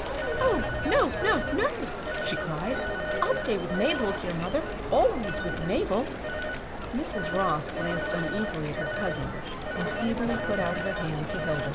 " Oh, no, no, no I " she cried ;'' I'll stay with Mabel, dear mother, — always with Mabel." Mrs. Ross glanced uneasily at her cousin, and feebly put out her hand to Hilda.